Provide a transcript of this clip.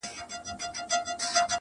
زه به نه یم ته به یې باغ به سمسور وي-